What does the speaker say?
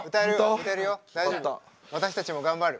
私たちも頑張る。